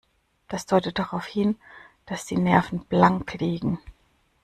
Das deutet darauf hin, dass die Nerven blank liegen.